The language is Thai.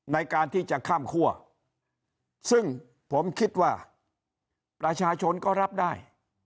ในการที่จะข้ามคั่วซึ่งผมคิดว่าประชาชนก็รับได้